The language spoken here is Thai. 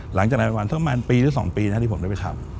หลังจากนั้นส่วนปีหรือ๒ปีนะที่ผมได้ไปขับ